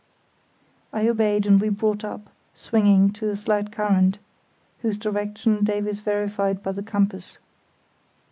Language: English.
I obeyed and we brought up, swinging to a slight current, whose direction Davies verified by the compass.